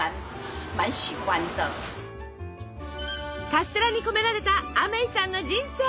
カステラに込められたアメイさんの人生。